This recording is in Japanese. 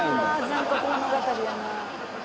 残酷物語やな。